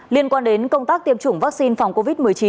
liên quan đến công tác tiêm chủng vaccine phòng covid một mươi chín